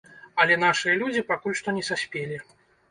Але нашыя людзі пакуль што не саспелі.